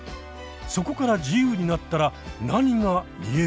そこから自由になったら何が見えるのか。